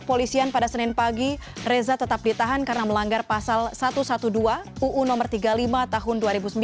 polisian pada senin pagi reza tetap ditahan karena melanggar pasal satu ratus dua belas uu no tiga puluh lima tahun dua ribu sembilan